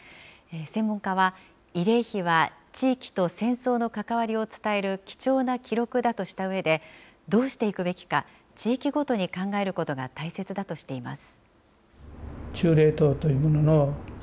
専門家は、慰霊碑は地域と戦争の関わりを伝える貴重な記録だとしたうえで、どうしていくべきか、地域ごとに考えることが大切だとしています。